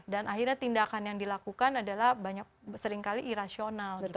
dan akhirnya tindakan yang dilakukan adalah banyak seringkali irasional gitu